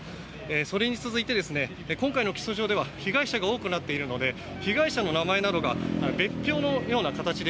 それに続いて今回の起訴状では被害者が多くなっているので被害者の名前などが別表のような形で